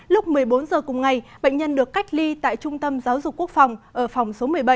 lúc một mươi bốn h cùng ngày bệnh nhân được cách ly tại trung tâm giáo dục quốc phòng ở phòng số một mươi bảy